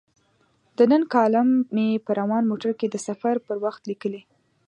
د نن کالم مې په روان موټر کې د سفر پر وخت لیکلی.